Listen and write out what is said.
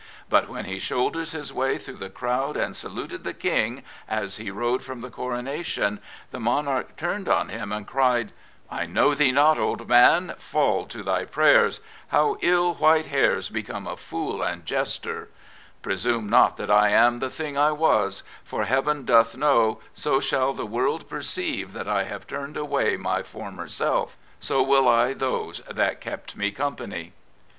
But when he shouldered his way through the crowd and saluted the King as he rode from the Coronation, the monarch turned on him and cried: I know thee not, old man: Fall to thy prayers; fitew, jW white hairs become a fool and jester 1 Presume not that I am the thing I was; For Heaven doth know, so shall the world perceive That I have turned away my former self ; So will 1 those that kept me company.